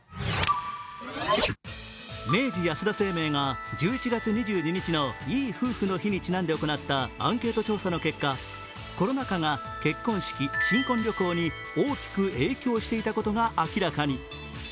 明治安田生命が１１月２２日のいい夫婦の日にちなんで行ったアンケート調査の結果コロナ禍が結婚式、新婚旅行に大きく影響していたことが明らかに。